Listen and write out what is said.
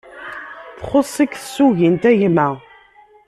Txuṣ-ik tsugint a gma